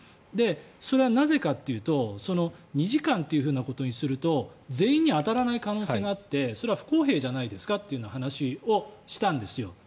それはなぜかというと２時間ということにすると全員に当たらない可能性があってそれは不公平じゃないですかという話をしたんですよ。